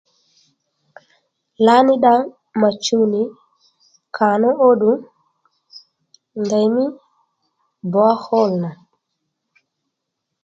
Lǎní dda mà chuw nì kànó ó ddù ndèymí borehole nà